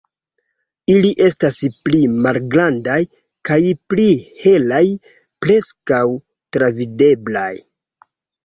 Ili estas pli malgrandaj kaj pli helaj, preskaŭ travideblaj.